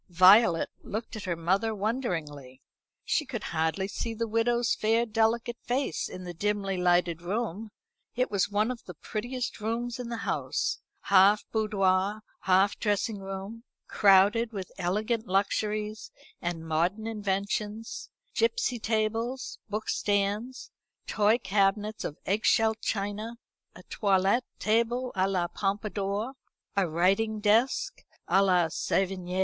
Violet looked at her mother wonderingly. She could hardly see the widow's fair delicate face in the dimly lighted room. It was one of the prettiest rooms in the house half boudoir half dressing room, crowded with elegant luxuries and modern inventions, gipsy tables, book stands, toy cabinets of egg shell china, a toilet table à la Pompadour, a writing desk à la Sevigné.